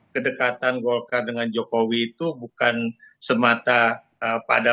kedekatan golkar dengan jokowi itu bukan semata pada